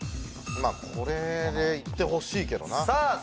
まぁこれでいってほしいけどなさあ